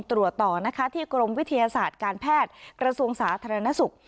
ต่อนะคะที่กรมวิทยาศาสตร์การแพทย์กระทรวงสาธารณสุข